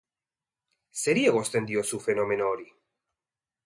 Zeri egozten diozu fenomeno hori?